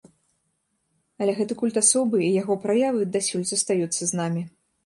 Але гэты культ асобы і яго праявы дасюль застаюцца з намі.